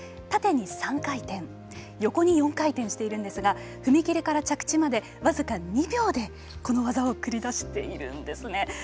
縦に３回転横に４回転しているんですが踏み切りから着地まで僅か２秒でこの技を繰り出しているんですね。